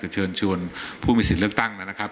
เชิญชวนผู้มีสิทธิ์เลือกตั้งนะครับ